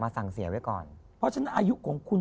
เพราะฉะนั้นอายุของคุณ